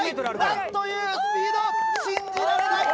何というスピード信じられない！